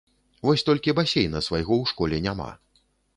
Вось толькі басейна свайго ў школе няма.